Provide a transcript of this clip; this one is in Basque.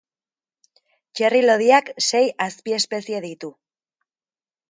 Txirri lodiak sei azpiespezie ditu.